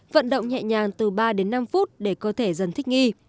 vận động nhẹ nhàng từ ba đến năm phút để cơ thể dần thích nghi